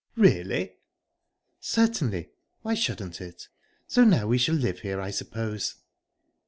"Really?" "Certainly why shouldn't it? So now we shall live here, I suppose."